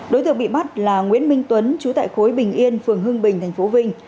đối tượng bị bắt là nguyễn minh tuấn chú tại khối bình yên phường hưng bình tp vinh